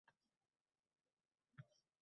Saboq bersa, bu faqat yutug’imiz-ku!